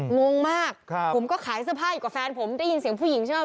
งงมากผมก็ขายเสื้อผ้าอยู่กับแฟนผมได้ยินเสียงผู้หญิงใช่ไหม